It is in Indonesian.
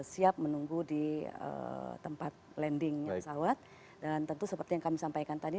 siap menunggu di tempat landing pesawat dan tentu seperti yang kami sampaikan tadi